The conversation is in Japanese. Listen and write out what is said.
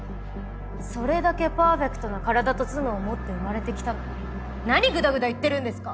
それだけパーフェクトな体と頭脳を持って生まれて来たのに何ぐだぐだ言ってるんですか？